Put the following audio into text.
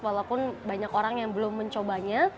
walaupun banyak orang yang belum mencobanya